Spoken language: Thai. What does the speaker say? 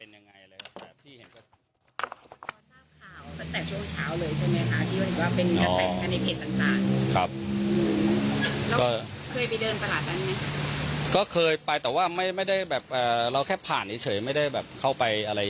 แต่เท่าที่หนูคุยกับคนแถวนี้ส่วนใหญ่ก็เหมือนกับยังไม่เคยไปเดินเลย